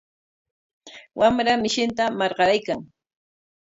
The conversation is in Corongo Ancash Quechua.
Wamra mishinta marqaraykan.